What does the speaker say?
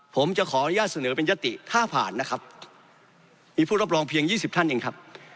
ผมจะขออนุญาตเสนอเป็นยติถ้าผ่านนะครับมีผู้รับรองเพียงยี่สิบท่านเองครับ